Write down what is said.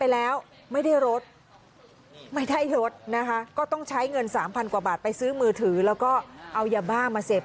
แล้วก็เอายาบ้ามาเสพ